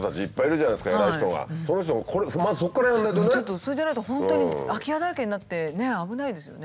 それじゃないと本当に空き家だらけになって危ないですよね。